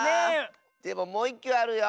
でももういっきゅうあるよ！